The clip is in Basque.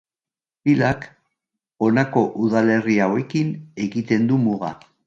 Pilak honako udalerri hauekin egiten du muga.